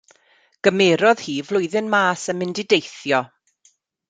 Gymerodd hi flwyddyn mas a mynd i deithio.